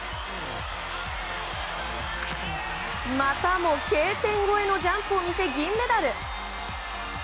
またもＫ点越えのジャンプを見せ銀メダル！